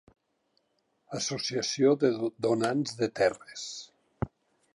Associació de donants de terres.